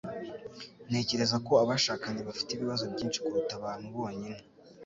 Ntekereza ko abashakanye bafite ibibazo byinshi kuruta abantu bonyine